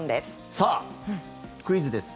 さあ、クイズです。